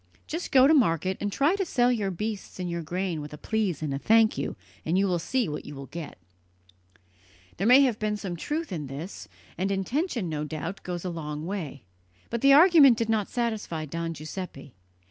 Just go to market, and try to sell your beasts and your grain with a 'please' and a 'thank you,' and you will see what you will get!" There may have been some truth in this; and intention, no doubt, goes a long way; but the argument did not satisfy Don Giuseppe.